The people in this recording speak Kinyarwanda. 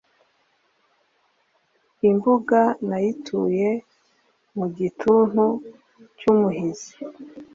Imbuga nayituye mu gituntu cy’umuhizi,